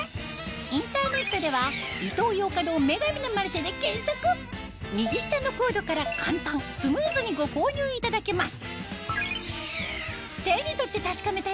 インターネットでは右下のコードから簡単スムーズにご購入いただけます